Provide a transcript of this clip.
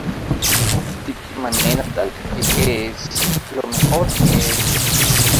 De manera tal que es lo mejor que he hecho".